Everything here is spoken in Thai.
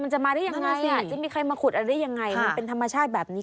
จะมีใครมาขุดอันได้ยังไงค่ะมันเป็นธรรมชาติแบบนี้